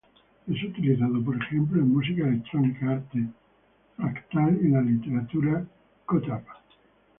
Es utilizada, por ejemplo, en música electrónica, arte fractal y la literatura "cut-up.